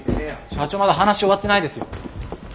社長まだ話終わってないですよ。